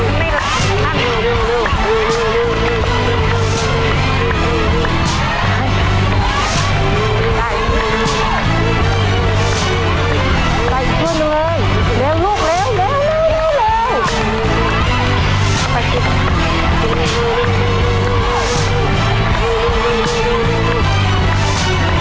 ใส่อีกเพื่อนเลยเร็วลูกเร็วเร็วเร็วเร็วเร็ว